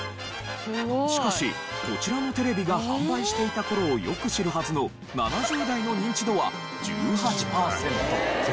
しかしこちらのテレビが販売していた頃をよく知るはずの７０代のニンチドは１８パーセント。